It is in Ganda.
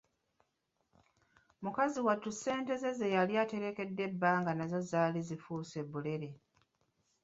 Mukazi wattu ssente ze ze yali aterekedde ebbanga nazo zaali zifuuse bulere.